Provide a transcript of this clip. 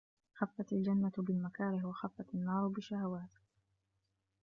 حُفَّتْ الْجَنَّةُ بِالْمَكَارِهِ وَحُفَّتْ النَّارُ بِالشَّهَوَاتِ